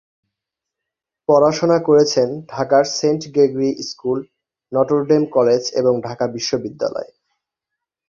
পড়াশোনা করেছেন ঢাকার St Gregory school, Notre Dame college এবং ঢাকা বিশ্ববিদ্যালয়ে।